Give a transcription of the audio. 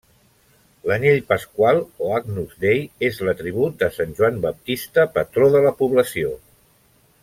L'anyell pasqual, o Agnus Dei, és l'atribut de sant Joan Baptista, patró de la població.